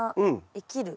生きる。